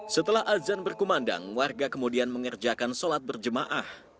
setelah azan berkumandang warga kemudian mengerjakan sholat berjemaah